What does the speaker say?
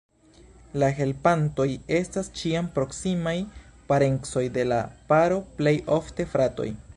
La helpantoj estas ĉiam proksimaj parencoj de la paro, plej ofte fratoj.